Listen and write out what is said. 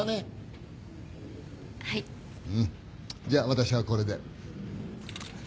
じゃあ私はこれで。